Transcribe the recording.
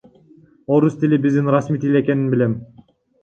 Орус тили биздин расмий тил экенин билем.